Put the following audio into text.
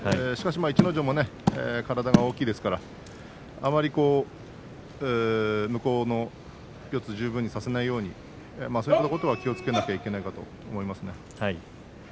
しかし逸ノ城も体が大きいですからあまり向こうの四つ十分にさせないようにそういったことは気をつけなくてはいけないと思います。